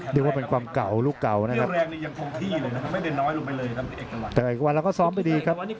เรียกว่าเป็นความเก่าลูกเก่านะครับแต่เอกตะวันเราก็ซ้อมไปดีครับ